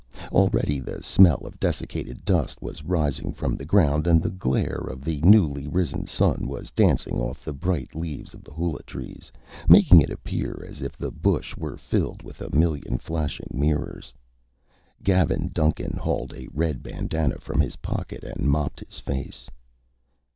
Already the smell of desiccated dust was rising from the ground and the glare of the newly risen sun was dancing off the bright leaves of the hula trees, making it appear as if the bush were filled with a million flashing mirrors. Gavin Duncan hauled a red bandanna from his pocket and mopped his face.